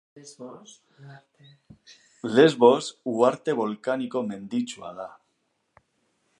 Lesbos uharte bolkaniko menditsua da.